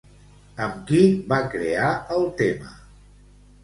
Amb qui va crear el tema?